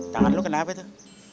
tangan lo kenapa tuh